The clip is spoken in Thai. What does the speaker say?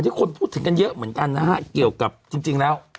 คนพูดถึงกันเยอะเหมือนกันนะฮะเกี่ยวกับจริงแล้ว